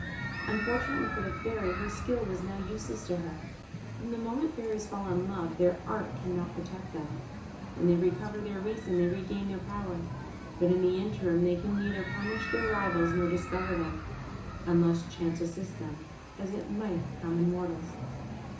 Unfortunately for the Fairy, her skill was now useless to her from the moment Fairies fall in love, their art cannot protect them; when they recover their reason they regain their power; but in the interim they can neither punish their rivals nor discover them, unless chance assist them, as it might common mortals.